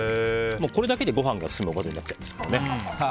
これだけでご飯が進むおかずになっちゃいますから。